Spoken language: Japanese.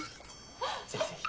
ぜひぜひ。